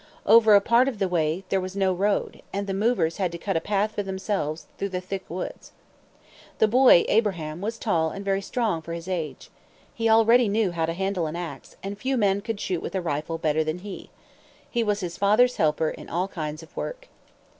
Over a part of the way there was no road, and the movers had to cut a path for themselves through the thick woods. The boy, Abraham, was tall and very strong for his age. He already knew how to handle an ax, and few men could shoot with a rifle better than he. He was his father's helper in all kinds of work.